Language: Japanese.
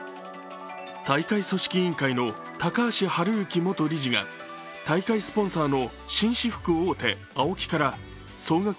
大会組織委員会の高橋治之元理事が大会スポンサーの紳士服大手ＡＯＫＩから総額